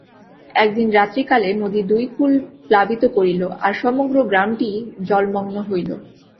একদিন রাত্রিকালে নদী দুই কূল প্লাবিত করিল, আর সমগ্র গ্রামটিই জলমগ্ন হইল।